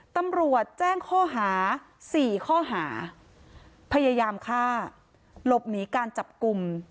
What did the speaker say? ตำรวจแจ้งข้อหา๔ข้อหาพยายามฆ่าหลบหนีการจับกลุ่ม